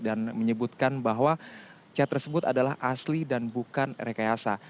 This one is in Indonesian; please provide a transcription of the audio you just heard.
dan menyebutkan bahwa chat tersebut adalah asli dan bukan rekayasa